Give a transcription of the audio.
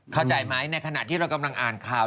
เข้าใจไหมในขณะที่เรากำลังอ่านข่าว